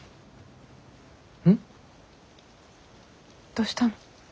どしたの？